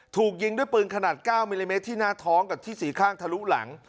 ถูกยิงด้วยปืนขนาด๙มิลลิเมตรที่หน้าท้องกับที่สี่ข้างทะลุหลัง